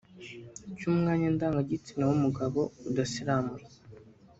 cy’umwanya ndangagitsina w’umugabo udasiramuye